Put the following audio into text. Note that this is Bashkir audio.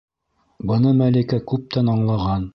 Быны Мәликә күптән аңлаған.